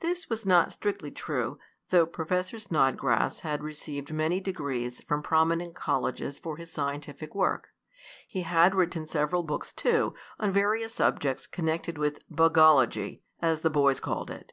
This was not strictly true, though Professor Snodgrass had received many degrees from prominent colleges for his scientific work. He had written several books, too, on various subjects connected with "bugology," as the boys called it.